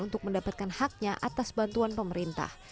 untuk mendapatkan haknya atas bantuan pemerintah